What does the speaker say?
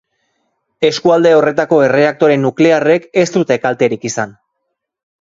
Eskualde horretako erreaktore nuklearrek ez dute kalterik izan.